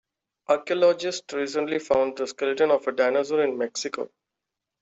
Archaeologists recently found the skeleton of a dinosaur in Mexico.